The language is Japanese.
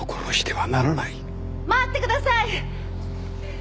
・待ってください。